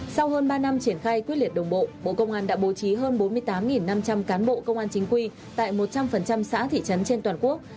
sau hơn ba năm triển khai quyết liệt đồng bộ bộ công an đã bố trí hơn bốn mươi tám năm trăm linh cán bộ công an chính quy tại một trăm linh xã thị trấn trên toàn quốc